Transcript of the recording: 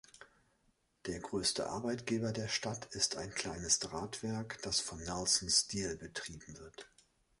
Der größte Arbeitgeber der Stadt ist ein kleines Drahtwerk, das von Nelson Steel betrieben wird.